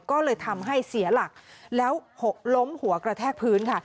ก็เลยทำให้เสียหลักแล้วหกล้มหัวกระแทกพื้นค่ะ